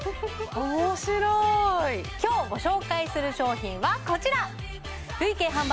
面白い今日ご紹介する商品はこちら！